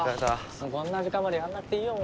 こんな時間までやんなくていいよ